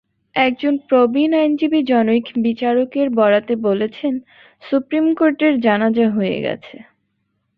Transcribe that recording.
একজন প্রবীণ আইনজীবী জনৈক বিচারকের বরাতে বলেছেন, সুপ্রিম কোর্টের জানাজা হয়ে গেছে।